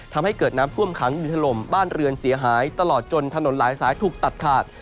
ทำให้เกิดน้ำท่วมขังดินถล่มบ้านเรือนเสียหายตลอดจนถนนหลายสายถูกตัดขาด